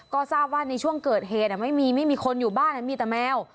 ก็ทราบว่าในช่วงเกิดเหตุไม่มีไม่มีคนอยู่บ้านมีแต่แมว